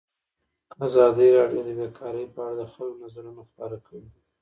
ازادي راډیو د بیکاري په اړه د خلکو نظرونه خپاره کړي.